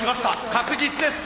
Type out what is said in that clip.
確実です。